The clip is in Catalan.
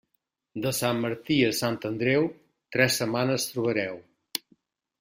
De Sant Martí a Sant Andreu, tres setmanes trobareu.